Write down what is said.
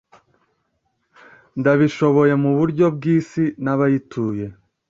Ndabishoboye muburyo bwisi nabayituye